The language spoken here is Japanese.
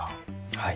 はい。